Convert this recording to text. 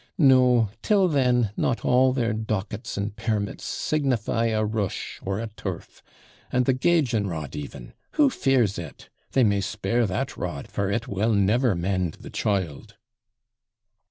No, till then, not all their dockets and permits signify a rush, or a turf. And the gauging rod even! who fears it? They may spare that rod, for it will never mend the child.'